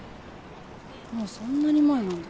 もうそんなに前なんだ。